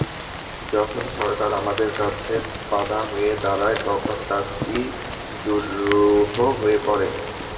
যখন সরকার আমাদের কাজে বাধা হয়ে দাঁড়ায়, তখন কাজটি দুরূহ হয়ে পড়ে।